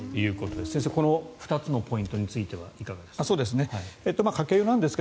先生、この２つのポイントについてはいかがですか。